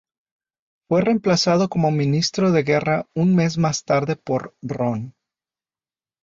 Fue remplazado como Ministro de Guerra un mes más tarde por Roon.